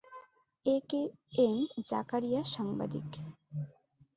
এ K M Zakaria সাংবাদিক।